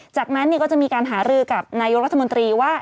จากนั้นก็จะมีการหารือกับนายกรัฐมนตรีว่า